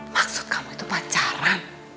maksud kamu itu pacaran